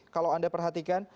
kalau anda perhatikan